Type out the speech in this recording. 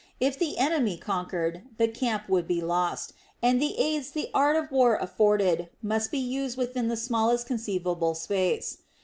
If the enemy conquered, the camp would be lost, and the aids the art of war afforded must be used within the smallest conceivable space.